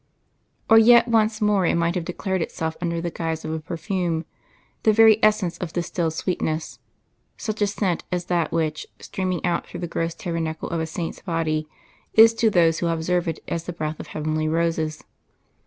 Or yet once more it might have declared itself under the guise of a perfume the very essence of distilled sweetness such a scent as that which, streaming out through the gross tabernacle of a saint's body, is to those who observe it as the breath of heavenly roses....